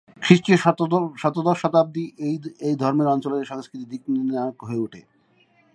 খ্রিষ্টীয় সপ্তদশ শতাব্দী এই ধর্মই এই অঞ্চলের সংস্কৃতির দিক-নির্ণায়ক হয়ে ওঠে।